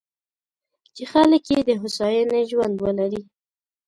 چې خلک یې د هوساینې ژوند ولري.